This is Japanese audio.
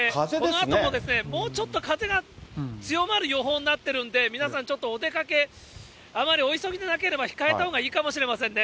このあとももうちょっと風が強まる予報になってるんで、皆さん、ちょっとお出かけ、あまりお急ぎでなければ控えたほうがいいかもしれませんね。